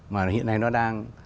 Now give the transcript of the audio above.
mà hiện nay nó đang